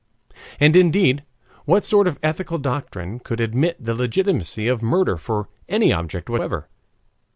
And, indeed, what sort of ethical doctrine could admit the legitimacy of murder for any object whatever?